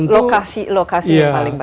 lokasi lokasi yang paling